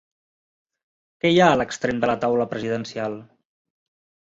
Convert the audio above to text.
Què hi ha a l'extrem de la taula presidencial?